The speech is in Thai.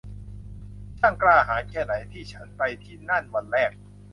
ช่างกล้าหาญแค่ไหน ที่ฉันไปที่นั่นวันแรก